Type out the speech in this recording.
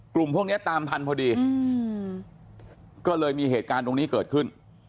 กลุ่มพวกนี้ตามทันพอดีก็เลยมีเหตุการณ์ตรงนี้เกิดขึ้น